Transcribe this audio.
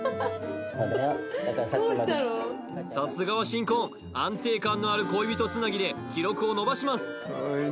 さすがは新婚安定感のある恋人繋ぎで記録を伸ばします